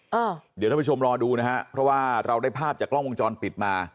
เดี๋ยวท่านผู้ชมรอดูนะฮะเพราะว่าเราได้ภาพจากกล้องวงจรปิดมา